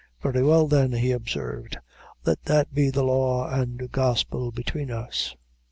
"Very well, then," he observed "let that be the law and gospel between us."